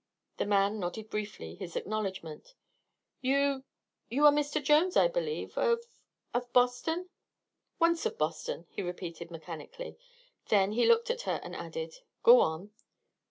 The man nodded briefly his acknowledgment. "You you are Mr. Jones, I believe, of of Boston?" "Once of Boston," he repeated mechanically. Then he looked at her and added: "Go on."